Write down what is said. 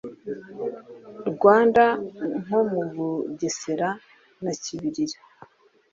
Rwanda nko mu Bugesera na Kibirira